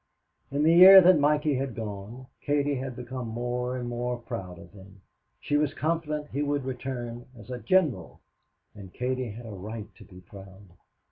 In the year that Mikey had been gone, Katie had become more and more proud of him. She was confident he would return as a "gineral." And Katie had a right to be proud.